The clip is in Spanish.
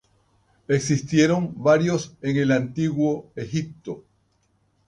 Existieron varios en el Antiguo Egipto.